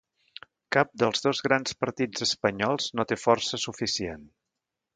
Cap dels dos grans partits espanyols no té força suficient